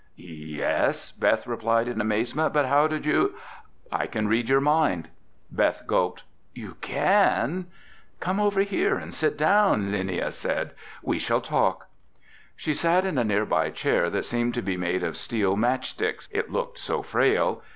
"Yes," Beth replied in amazement, "but how did you—?" "I can read your mind." Beth gulped. "You can?" "Come over and sit down," Linnia said. "We shall talk." She sat in a nearby chair that seemed to be made of steel matchsticks, it looked so frail.